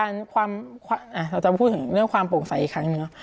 เราจะพูดถึงเรื่องความโปร่งใสอีกครั้งหนึ่งเนาะ